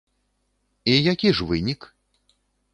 І які ж вынік?